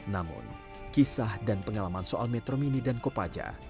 namun kisah dan pengalaman soal metro mini dan kopaja